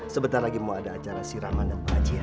sebentar lagi mau ada acara siraman dan pengajian